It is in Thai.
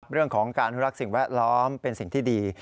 เรื่องของการอนุรักษ์สิ่งแวดล้อมเป็นสิ่งที่ดี